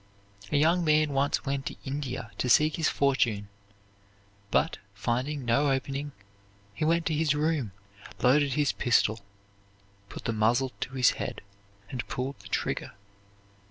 A young man once went to India to seek his fortune, but, finding no opening, he went to his room, loaded his pistol, put the muzzle to his head, and pulled the trigger.